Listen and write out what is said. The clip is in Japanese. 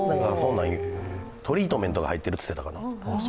トリートメントが入ってるって言ってたかな。